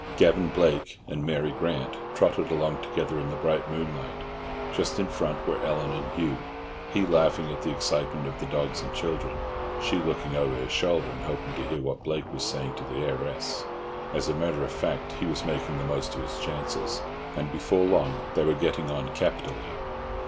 Gavan Blake and Mary Grant trotted along together in the bright moonlight. Just in front were Ellen and Hugh, he laughing at the excitement of the dogs and children, she looking over her shoulder and hoping to hear what Blake was saying to the heiress. As a matter of fact, he was making the most of his chances, and before long they were getting on capitally.